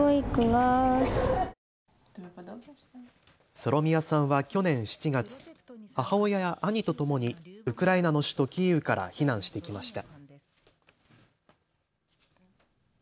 ソロミヤさんは去年７月、母親や兄とともにウクライナの首都キーウから避難してきました。